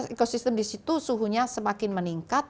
ekosistem disitu suhunya semakin meningkat